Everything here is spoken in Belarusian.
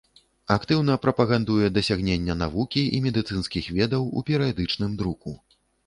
Актыўна прапагандуе дасягнення навукі і медыцынскіх ведаў у перыядычным друку.